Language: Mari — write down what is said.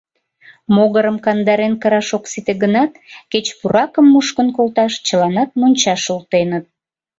Могырым кандарен кыраш ок сите гынат, кеч пуракым мушкын колташ чыланат мончаш олтеныт.